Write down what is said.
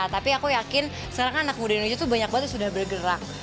tapi aku yakin sekarang kan anak muda indonesia tuh banyak banget yang sudah bergerak